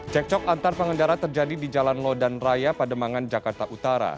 cekcok antar pengendara terjadi di jalan lodan raya pademangan jakarta utara